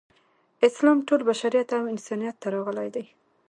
اسلام ټول بشریت او انسانیت ته راغلی دی.